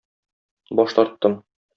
Баш тарттым.